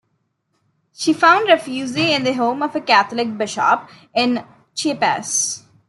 She found refuge in the home of a Catholic bishop in Chiapas.